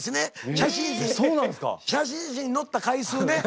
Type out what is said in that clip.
写真誌に載った回数ね。え！？